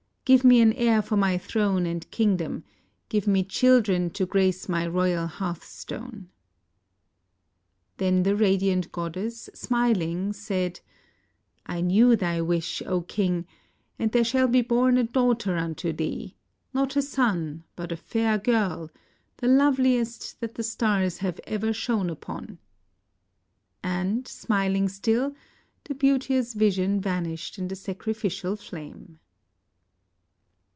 Give me an heir for my throne and kingdom; give me children to grace my royal hearth stone." Then the radiant goddess, smiling, said: "I knew thy wish, O King, and there shall be born a daughter unto thee — not a son, but a fair girl — the loveliest that the stars have ever shone upon"; and, smiling still, the beauteous vision vanished in the sac rificial flame.